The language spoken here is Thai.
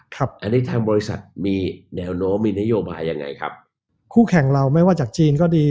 ครับอันนี้ทางบริษัทมีแนวโน้มมีนโยบายยังไงครับคู่แข่งเราไม่ว่าจากจีนก็ดี